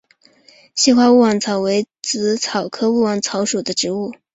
稀花勿忘草为紫草科勿忘草属的植物。